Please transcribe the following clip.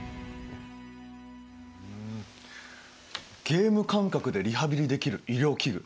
ゲーム感覚でリハビリできる医療器具。